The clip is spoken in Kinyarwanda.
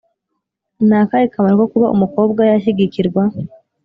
Ni akahe kamaro ko kuba umukobwa yashyigikirwa ?